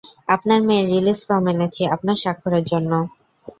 আপনার মেয়ের release form এনেছি আপনার স্বাক্ষরের জন্য।